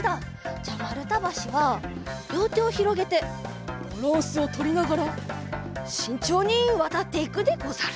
じゃあまるたばしはりょうてをひろげてバランスをとりながらしんちょうにわたっていくでござる。